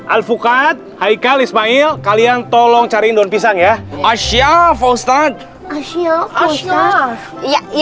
al fukat haikal ismail kalian tolong cari doang pisang ya asia fosna asia asia ya